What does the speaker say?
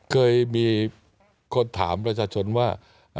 เคยมีคนถามประชาชนว่า